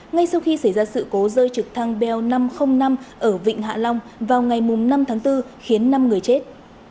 ngay sau khi xảy ra sự cố rơi trực thăng bel năm trăm linh năm ở vịnh hạ long vào ngày năm tháng bốn khiến năm người chết